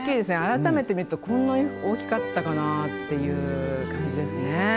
改めて見ると、こんなに大きかったかなという感じですね。